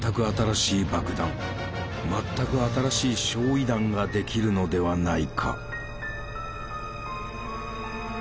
全く新しい焼夷弾ができるのではないか」。